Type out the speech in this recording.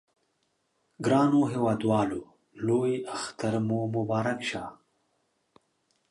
ګرانو هیوادوالو لوی اختر مو مبارک شه!